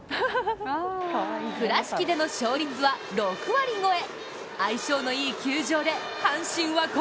倉敷での勝率は６割超え。